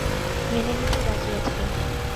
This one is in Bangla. মেনে নিতে রাজি আছি।